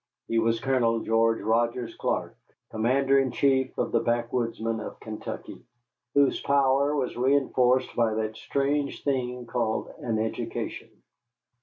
He was Colonel George Rogers Clark,¹ Commander in chief of the backwoodsmen of Kentucky, whose power was reënforced by that strange thing called an education.